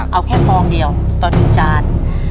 เอาแค่ฟองเดียวตอนที่จาน